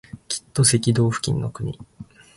きっと赤道付近の国